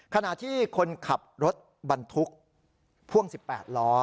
ขณะที่คนขับรถบรรทุกพ่วง๑๘ล้อ